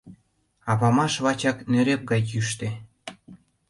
А памаш лачак нӧреп гай йӱштӧ.